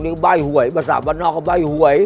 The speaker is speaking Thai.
อันนี้ใบ้หวยภาษาบันทมันก็ใบ้หวย